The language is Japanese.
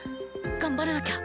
頑張らなきゃ！